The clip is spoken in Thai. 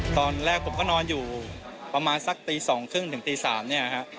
ตอนแรกผมก็นอนอยู่ประมาณสักตี๒๓๐ถึงตี๓เนี่ยฮะ